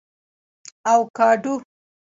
🥑 اوکاډو